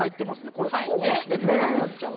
これこそお箸で食べたくなっちゃう。